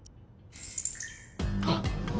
あっ！